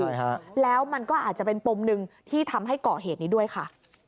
ใช่ฮะแล้วมันก็อาจจะเป็นปมหนึ่งที่ทำให้ก่อเหตุนี้ด้วยค่ะ